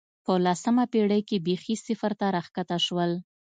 په لسمه پېړۍ کې بېخي صفر ته راښکته شول